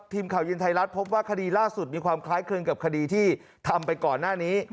ทีมข่าวเย็นไทยรัฐพบว่าคดีล่าสุดมีความคล้ายคลึงกับคดีที่ทำไปก่อนหน้านี้